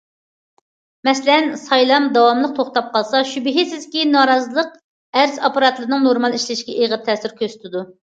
مەسىلەن: سايلام داۋاملىق توختاپ قالسا شۈبھىسىزكى، نارازىلىق ئەرز ئاپپاراتلىرىنىڭ نورمال ئىشلىشىگە ئېغىر تەسىر يەتكۈزىدۇ.